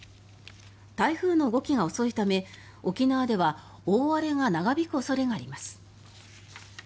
台風の動きが遅いため沖縄では大荒れが長引く恐れがあります。